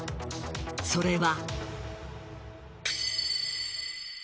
それは。